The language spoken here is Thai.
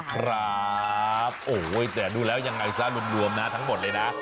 ครับโอ้โหแต่ดูแล้วยังไงซะรวมนะทั้งหมดเลยนะ